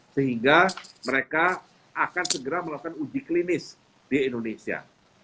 sehingga mereka akan segera melakukan uji klinis di indonesia